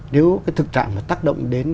nếu cái thực trạng mà tác động đến